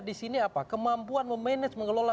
disini apa kemampuan memanage mengelola